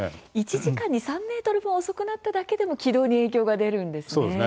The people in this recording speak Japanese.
１時間に３メートルも遅くなっただけでも軌道に影響が出るんですね。